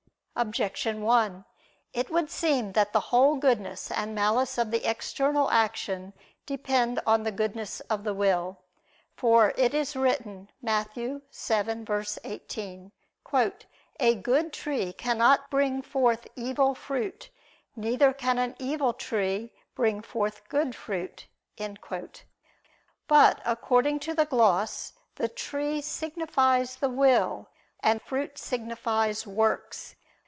Objection 1: It would seem that the whole goodness and malice of the external action depend on the goodness of the will. For it is written (Matt. 7:18): "A good tree cannot bring forth evil fruit, neither can an evil tree bring forth good fruit." But, according to the gloss, the tree signifies the will, and fruit signifies works.